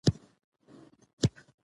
اووه لکه نورې هم بايد ورکړم.